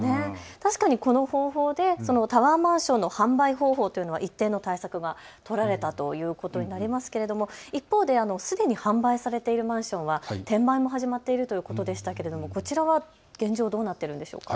確かにこの方法でタワーマンションの販売方法というのは一定の対策が取られたということになりますけれど一方ですでに販売されているマンションは転売も始まっているということでしたけれどこちらは現状、どうなっているんでしょうか。